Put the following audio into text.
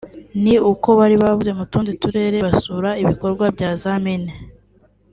ni uko bari bavuye mu tundi turere basura ibikorwa bya za mine